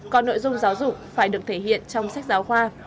còn nội dung giáo dục phải được thể hiện trong sách giáo khoa